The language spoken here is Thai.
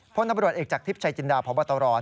พลนบริวัติเอกจากทฤษฎีชายจินดาพบตร